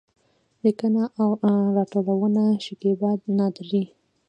لیکنه او راټولونه: شکېبا نادري